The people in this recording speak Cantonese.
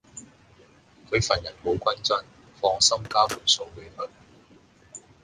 佢份人好均真，放心交盤數比佢